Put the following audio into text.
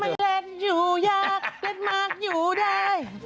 ไม่แรดอยู่ยากแรดมากอยู่ได้